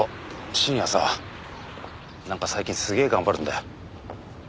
信也さなんか最近すげえ頑張るんだよ。